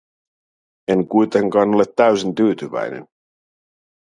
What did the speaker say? En kuitenkaan ole täysin tyytyväinen.